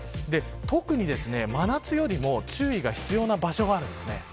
特に真夏よりも注意が必要な場所があるんですね。